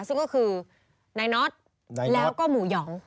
ซึ่งก็คือนายน็อตแล้วก็หมูหยอง